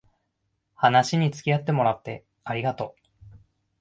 話につきあってもらってありがとう